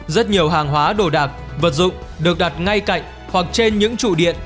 rất nhiều hàng hóa đồ đạc vật dụng được đặt ngay cạnh hoặc trên những trụ điện